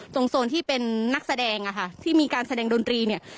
โซนที่เป็นนักแสดงอะค่ะที่มีการแสดงดนตรีเนี่ย